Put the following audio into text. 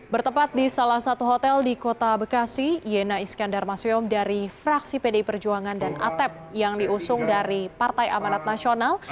bertempat di salah satu hotel di kota bekasi yena iskandar masyom dari fraksi pdi perjuangan dan atep yang diusung dari partai amanat nasional